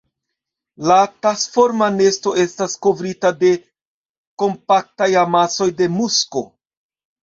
La tasforma nesto estas kovrita de kompakta amaso de musko.